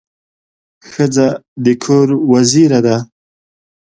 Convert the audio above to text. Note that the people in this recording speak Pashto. ښځه د کور وزیره ده.